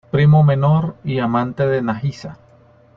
Primo menor y amante de Nagisa.